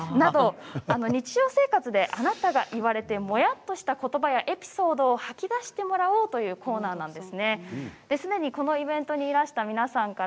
日常生活であなたが言われてモヤっとしたことばやエピソードを吐き出してもらおうというコーナーなんです。